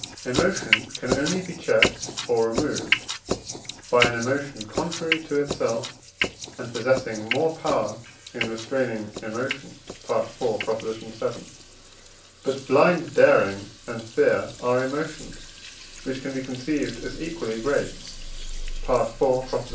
Emotion can only be checked or removed by an emotion contrary to itself, and possessing more power in restraining emotion (IV. vii.). But blind daring and fear are emotions, which can be conceived as equally great (IV.